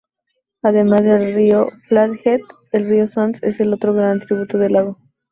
Además del río Flathead, el río Swan es el otro gran tributario del lago.